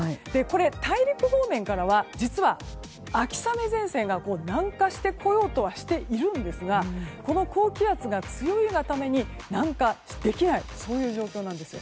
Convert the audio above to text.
大陸方面からは秋雨前線から南下してこようとしているんですがこの高気圧が強いために南下できないそういう状況なんです。